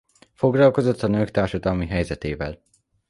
Foglalkozott a nők társadalmi helyzetével.